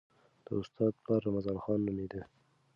د استاد پلار رمضان خان نومېده.